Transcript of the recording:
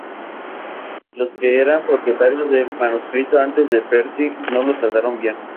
Los que eran propietarios del manuscrito antes de Percy no lo trataron bien.